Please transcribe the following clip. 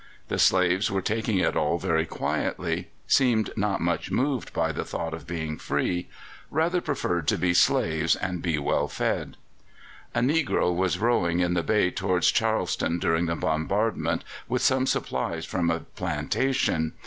The slaves were taking it all very quietly, seemed not much moved by the thought of being free rather preferred to be slaves and be well fed. A negro was rowing in the bay towards Charleston during the bombardment with some supplies from a plantation.